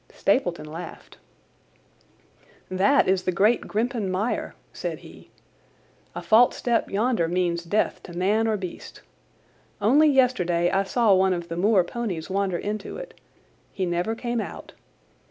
Stapleton laughed. "That is the great Grimpen Mire," said he. "A false step yonder means death to man or beast. Only yesterday I saw one of the moor ponies wander into it. He never came out.